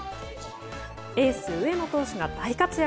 エース上野投手が大活躍。